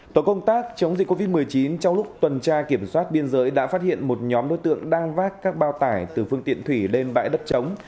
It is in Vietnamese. tổ công tác chống dịch covid một mươi chín trong lúc tuần tra kiểm soát biên giới đã phát hiện một nhóm đối tượng đang vác các bao tải từ phương tiện thủy lên bãi đất chống